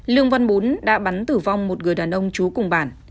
lương văn bún đã bắn tử vong một người đàn ông trú cùng bản